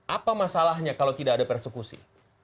apa masalahnya kalau tidak ada persekusi